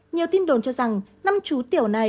nhiều tin đồn cho rằng năm chú tiểu này